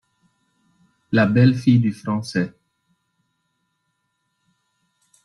La belle-fille du Français.